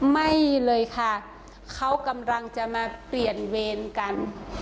ไม่เลยค่ะเขากำลังจะมาเปลี่ยนเวรกัน